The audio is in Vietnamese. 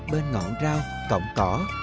bên ngọn rao cổng cỏ